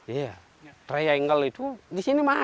ya triangle itu di sini masuk